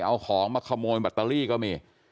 เอาของมาขโมยแบตเตอรี่ก็มี